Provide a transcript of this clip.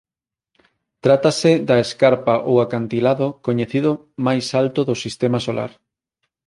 Trátase da escarpa ou acantilado coñecido máis alto do Sistema Solar.